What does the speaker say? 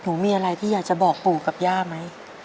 หนูมีอะไรที่อยากจะบอกปู่กับย่าไหม